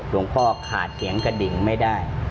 พ่อขาดเสียงกระดิ่งไม่ได้